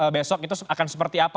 besok itu akan seperti apa